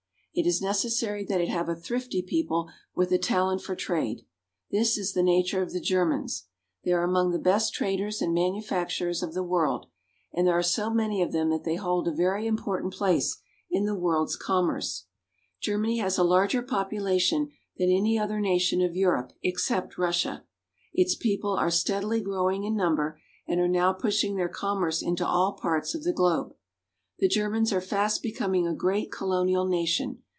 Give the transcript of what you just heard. It is necessary that it have a thrifty people with a talent for trade. This is the nature of the Germans. They are among the best traders and manufacturers of the world, and there are so many of them that they hold a very important place in the world's commerce. Ger IN THE GERMAN EMPIRE. 191 many has a larger population than any other nation of Europe except Russia. Its people are steadily growing in number, and are now pushing their commerce into all parts of the globe. The Germans are fast becoming a great colonial nation.